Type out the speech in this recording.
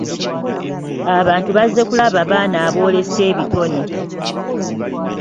Abantu bazze kulaba baana aboolesa ebitone.